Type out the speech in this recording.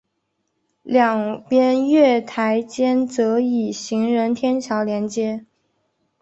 两边月台间则以行人天桥连接。